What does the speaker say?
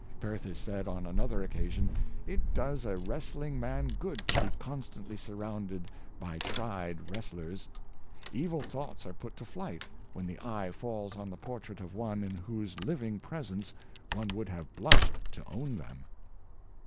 Perthes said on another occasion: " It does a wrestling man good to be constantly surrounded by tried wrestlers; evil 132 Admiration of the Good, thoughts are put to flight when the eye falls on the portrait of one in whose living presence one would have blushed to own them."